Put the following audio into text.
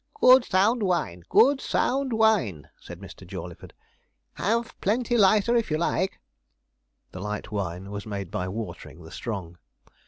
'Good sound wine good sound wine,' said Mr. Jawleyford. 'Have plenty lighter, if you like.' The light wine was made by watering the strong.